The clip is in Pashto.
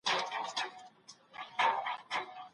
هو، خواړه د بدن بوی بدلوي.